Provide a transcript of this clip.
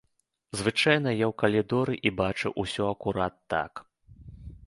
Звычайна я ў калідоры і бачу ўсё акурат так.